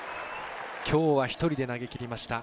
きょうは１人で投げきりました。